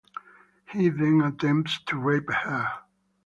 He then attempts to rape her.